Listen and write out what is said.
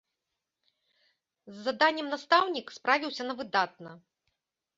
З заданнем настаўнік справіўся на выдатна.